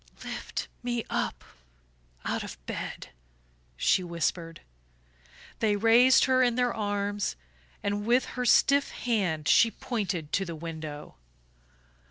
"Lift me up out of bed," she whispered. They raised her in their arms, and with her stiff hand she pointed to the window.